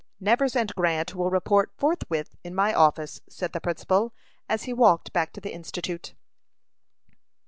"Nevers and Grant will report forthwith in my office," said the principal, as he walked back to the Institute.